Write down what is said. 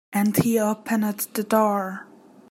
And he opened the door.